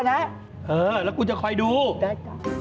เออแล้วว่ากูจะคอยดูได้